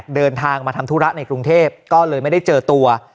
เดินทางมาทำธุระในกรุงเทพก็เลยไม่ได้เจอตัว